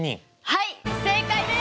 はい正解です！